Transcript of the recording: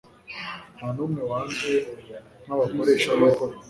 nta n'umwe wanzwe nk'abakoresha b'ikoro.